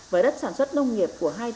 và đất sản xuất nông nghiệp của hai chú